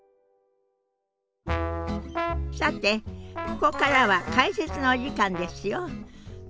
さてここからは解説のお時間ですよ。